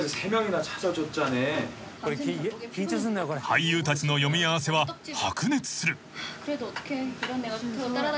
［俳優たちの読み合わせは白熱する］